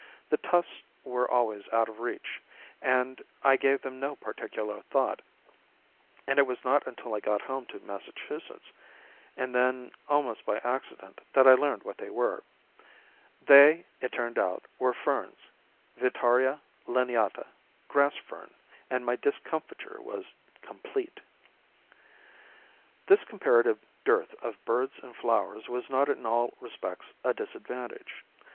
The tufts were always out of reach, and I gave them no particular thought; and it was not until I got home to Massachusetts, and then almost by accident, that I learned what they were. They, it turned out, were ferns (Vittaria lineata grass fern), and my discomfiture was complete. This comparative dearth of birds and flowers was not in all respects a disadvantage.